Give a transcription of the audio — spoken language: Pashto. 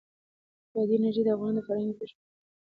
بادي انرژي د افغانانو د فرهنګي پیژندنې یوه لویه برخه ده.